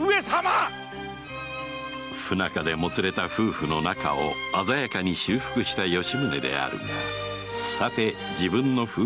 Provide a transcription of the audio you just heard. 不仲でもつれた夫婦の仲を鮮やかに修復した吉宗であるがさて自分の夫婦問題はまだまだ先のようである